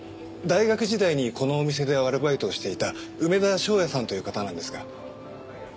大学時代にこのお店でアルバイトをしていた梅田翔也さんという方なんですが。